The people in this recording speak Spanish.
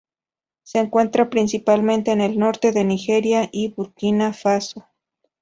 Se encuentra principalmente en el norte de Nigeria y Burkina Faso.